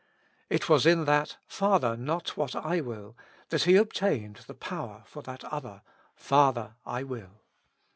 It was in that " Father ! not what I will," that He ob tained the power for that other "Father! I will."